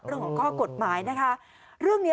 เรื่องของข้อกฎหมายนะคะเรื่องนี้